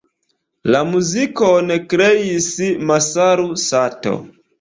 La muzikon kreis Masaru Sato.